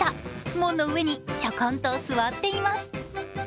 門の上にちょこんと座っています。